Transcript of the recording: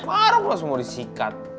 maruk lah semua disikat